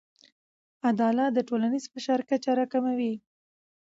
عدالت د ټولنیز فشار کچه راکموي.